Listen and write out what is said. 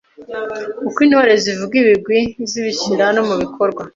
Uko Intore zivuga ibigwi zibishyira no mu bikorwa